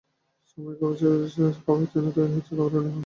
সময়ের খাবার সময়ে খাওয়া হচ্ছে না, তৈরি হচ্ছে খাবারে অনীহা, বিশৃঙ্খলা।